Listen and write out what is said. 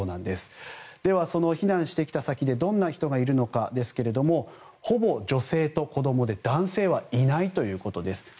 では、非難した先でどのような人がいるかですがほぼ女性と子供で男性はいないということです。